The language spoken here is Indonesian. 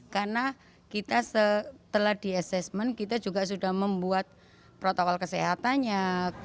karena kita setelah di asesmen kita juga sudah membuat protokol kesehatannya